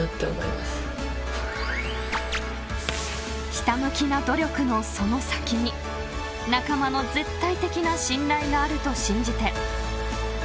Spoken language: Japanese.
［ひた向きな努力のその先に仲間の絶対的な信頼があると信じて］